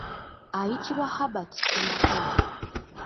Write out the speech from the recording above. Ayitibwa Herbert Ssemakula .